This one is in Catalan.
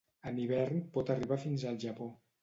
En hivern pot arribar fins al Japó.